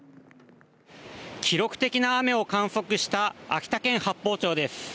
記録的な雨を観測した秋田県八峰町です。